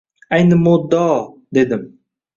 Ayni muddao, dedim